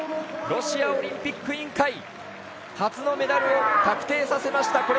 ロシアオリンピック委員会初のメダルを確定させました。